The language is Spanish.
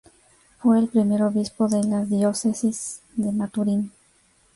Fue el primer obispo de la Diócesis de Maturín.